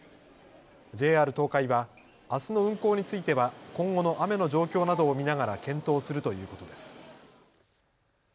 ＪＲ東海はあすの運行については今後の雨の状況などを見ながら検討するということです。